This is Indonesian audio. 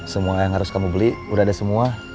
semua yang harus kamu beli udah ada semua